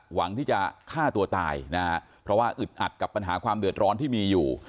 หวังที่จะฆ่าตัวตายนะฮะเพราะว่าอึดอัดกับปัญหาความเดือดร้อนที่มีอยู่